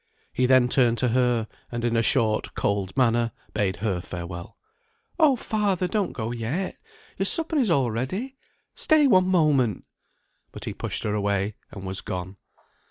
He then turned to her, and in a short cold manner, bade her farewell. "Oh! father, don't go yet. Your supper is all ready. Stay one moment!" But he pushed her away, and was gone.